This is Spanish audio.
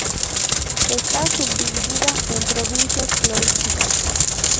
Está subdividida en provincias florísticas.